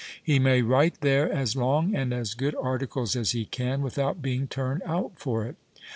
He may write 202 WILLIAM IIAZLITT there as long and as good articles as he can, without being turned out for it."